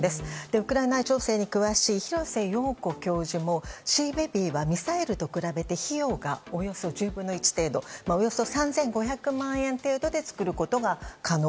ウクライナ情勢に詳しい廣瀬陽子教授もシーベビーはミサイルと比べて費用がおよそ１０分の１程度およそ３５００万円程度で作ることが可能。